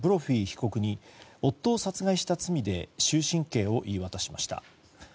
被告に夫を殺害した罪で終身刑を言い渡しました。